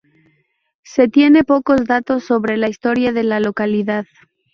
Se tienen pocos datos sobre la historia de la localidad.